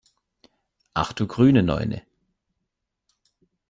Ach du grüne Neune!